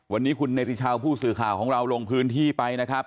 วันนี้คุณเนติชาวผู้สื่อข่าวของเราลงพื้นที่ไปนะครับ